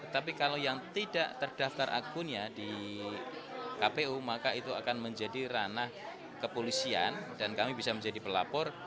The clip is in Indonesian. tapi kalau yang tidak terdaftar akunnya di kpu maka itu akan menjadi ranah kepolisian dan kami bisa menjadi pelapor